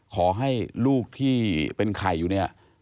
ขอให้ลูกที่เป็นไข่อยู่เนี่ย